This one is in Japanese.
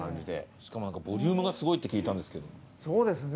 しかも「ボリュームがすごい」って聞いたんですけど。